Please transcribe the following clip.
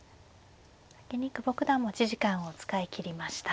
先に久保九段持ち時間を使い切りました。